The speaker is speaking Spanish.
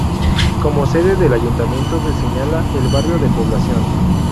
Como sede del ayuntamiento se señala el barrio de Población.